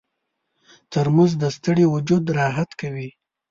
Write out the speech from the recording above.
ترموز د ستړي وجود راحت کوي.